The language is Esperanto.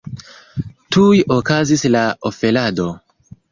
Tuj okazis la oferado.